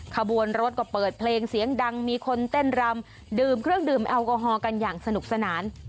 ขบวนรถก็เปิดเพลงเสียงดังมีคนเต้นรำดื่มเครื่องดื่มแอลกอฮอลกันอย่างสนุกสนาน